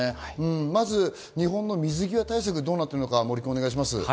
まず日本の水際対策どうなってるのかお願いします。